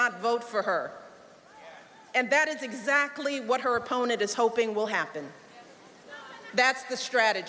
ที่เราไม่อยากให้กลายไป